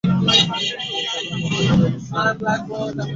অল্পতে রাগতেও পারেন, আবার সেই রাগ হিমশীতল পানিতে রূপান্তরিত হতেও সময় লাগে না।